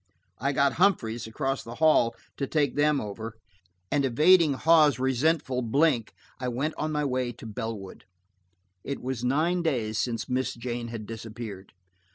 I got Humphreys, across the hall, to take them over, and evading Hawes' resentful blink, I went on my way to Bellwood. It was nine days since Miss Jane had disappeared.